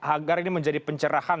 agar ini menjadi pencerahan